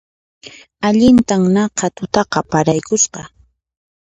Allintan naqha tutaqa paraykusqa